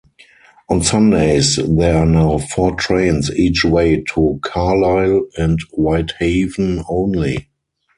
On Sundays there are now four trains each way to Carlisle and Whitehaven only.